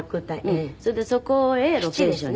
それでそこへロケーションに。